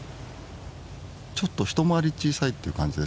ちょっと一回り小さいっていう感じです。